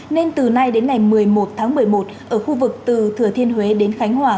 nên từ nay đến ngày một mươi một tháng một mươi một ở khu vực từ thừa thiên huế đến khánh hòa